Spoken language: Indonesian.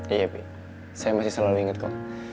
iya bi saya masih selalu inget kok